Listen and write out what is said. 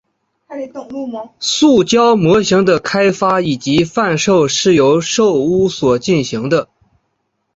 塑胶模型的开发以及贩售是由寿屋所进行的。